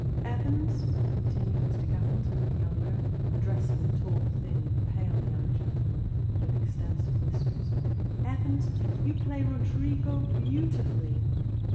" Evans," continued Mr. Gattleton, the younger, addressing a tall, thin, pale young gentleman, with extensive whiskers, " Evans, you play Roderigo beautifully."